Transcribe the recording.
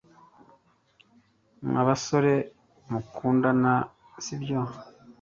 mwa basore mukundana, sibyo